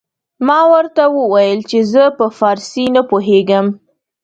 ما ورته وويل چې زه په فارسي نه پوهېږم.